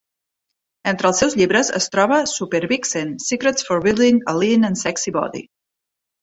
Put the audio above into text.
Entre els seus llibres es troba "Supervixen: Secrets for Building a Lean and Sexy Body".